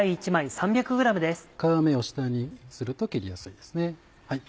皮目を下にすると切りやすいです。